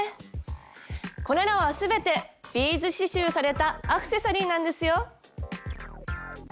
これらは全てビーズ刺しゅうされたアクセサリーなんですよ。